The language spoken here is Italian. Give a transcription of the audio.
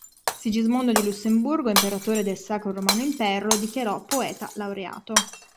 Sigismondo di Lussemburgo, imperatore del Sacro Romano Impero, lo dichiarò "poeta laureato".